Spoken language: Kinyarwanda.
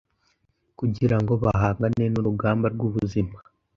kugira ngo bahangane n’urugamba rw’ubuzima.